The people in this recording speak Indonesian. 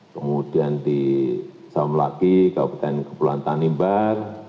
kemudian di saum laki kabupaten kepulauan tanimbar